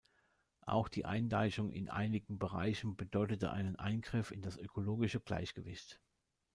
Auch die Eindeichung in einigen Bereichen bedeutete einen Eingriff in das ökologische Gleichgewicht.